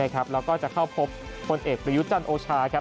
แล้วก็จะเข้าพบพลเอกประยุทธ์จันทร์โอชาครับ